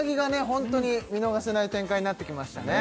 ホントに見逃せない展開になってきましたね